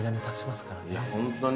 本当に。